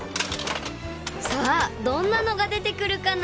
［さあどんなのが出てくるかな？］